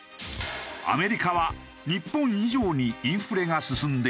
アメリカは日本以上にインフレが進んでいるのだ。